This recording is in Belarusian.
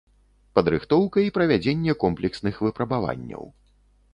Падрыхтоўка і правядзенне комплексных выпрабаванняў.